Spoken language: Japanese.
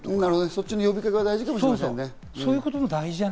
そっちの呼びかけが大事かもしれませんね。